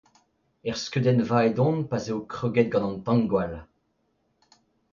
Er skeudennva edon pa'z eo kroget an tangwall.